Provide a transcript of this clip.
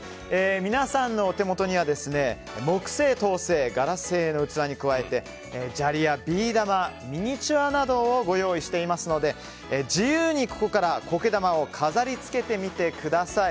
皆さんのお手元には木製、陶製、ガラス製の器に加えて、砂利やビー玉ミニチュアなどをご用意していますので自由にここからは苔玉を飾り付けてみてください。